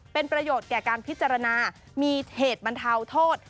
เป็นประโยชน์แก่การพิจารณามีเหตุบรรเทาโทษ